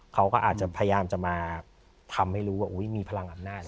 เขาก็อาจจะพยายามจะมาทำให้รู้ว่ามีพลังอำนาจ